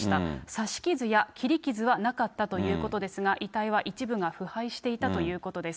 刺し傷や切り傷はなかったということですが、遺体は一部が腐敗していたということです。